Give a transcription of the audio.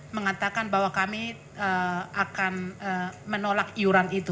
mengatakan bahwa kami akan menolak iuran itu